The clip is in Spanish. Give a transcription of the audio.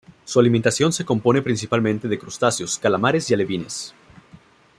Su alimentación se compone principalmente de crustáceos, calamares y alevines.